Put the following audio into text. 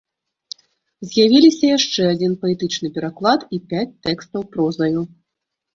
З'явіліся яшчэ адзін паэтычны пераклад і пяць тэкстаў прозаю.